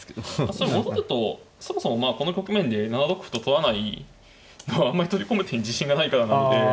それ戻るとそもそもこの局面で７六歩と取らないのはあんまり取り込む手に自信がないからなので。